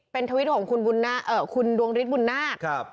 เป็นทวิตของคุณดวงฤทธบุญนาค